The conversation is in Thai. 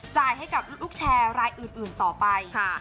จ่ายให้กับลูกแชร์รายอื่นต่อไป